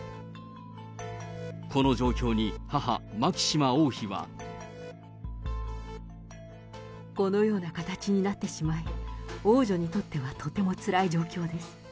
この状況に母、このような形になってしまい、王女にとってはとてもつらい状況です。